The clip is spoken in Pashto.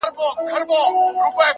د تمرکز ځواک ذهن واحد هدف ته بیایي’